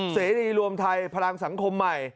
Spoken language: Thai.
เสรีรวมไทยพลังสังคมใหม่